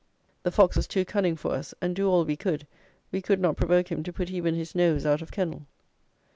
The fox was too cunning for us, and do all we could, we could not provoke him to put even his nose out of kennel.